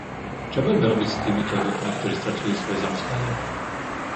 Čo budeme robiť s týmito ľuďmi, ktorí stratili svoje zamestnanie?